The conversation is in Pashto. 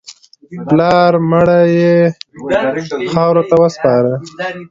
پلار مړی یې خاورو ته وسپاره.